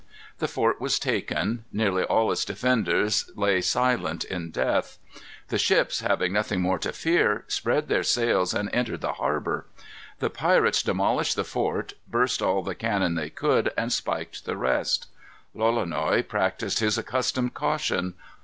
The fort was taken. Nearly all its defenders lay silent in death. The ships, having nothing more to fear, spread their sails and entered the harbor. The pirates demolished the fort, burst all the cannon they could, and spiked the rest. Lolonois practised his accustomed caution.